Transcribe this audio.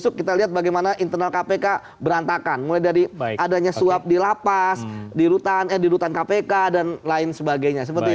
kita lihat bagaimana internal kpk berantakan mulai dari adanya suap di lapas di rutan kpk dan lain sebagainya